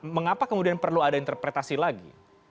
mengapa kemudian perlu ada interpretasi lagi